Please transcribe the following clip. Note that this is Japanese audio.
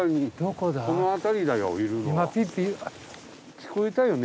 聞こえたよね？